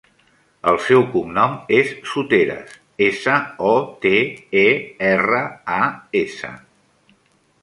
El seu cognom és Soteras: essa, o, te, e, erra, a, essa.